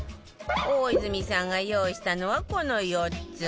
大泉さんが用意したのはこの４つ